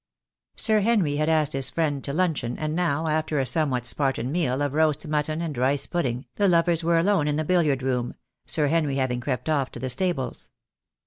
Sir Henry had asked his friend to luncheon, and now, after a somewhat Spartan meal of roast mutton and rice pudding, the lovers were alone in the billiard room, Sir Henry having crept off to the stables.